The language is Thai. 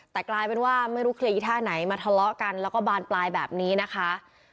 แต่กลายเป็นว่าไม่รู้เคลียร์อีท่าไหนมาทะเลาะกันแล้วก็บานปลายแบบนี้นะคะ